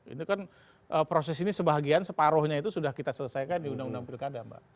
ini kan proses ini sebagian separuhnya itu sudah kita selesaikan di undang undang pilkada mbak